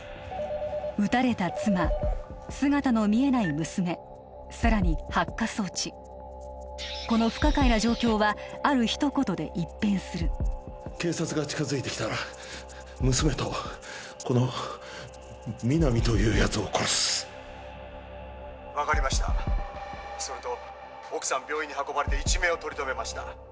撃たれた妻姿の見えない娘さらに発火装置この不可解な状況はある一言で一変する警察が近づいてきたら娘とこの皆実というやつを殺す分かりましたそれと奥さん病院に運ばれて一命を取り留めました